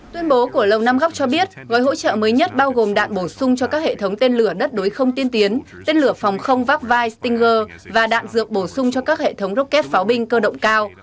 tuyên bố của lầu năm góc cho biết gói hỗ trợ mới nhất bao gồm đạn bổ sung cho các hệ thống tên lửa đất đối không tiên tiến tên lửa phòng không vapvai stinger và đạn dược bổ sung cho các hệ thống rocket pháo binh cơ động cao